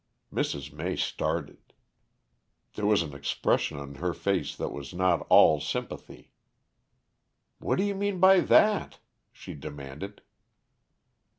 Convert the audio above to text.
Mrs. May started. There was an expression on her face that was not all sympathy. "What do you mean by that?" she demanded.